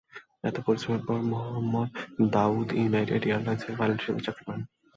এত পরিশ্রমের পর মোহাম্মদ দাউদ ইউনাইটেড এয়ারলাইন্সের পাইলট হিসেবে চাকরি করেন।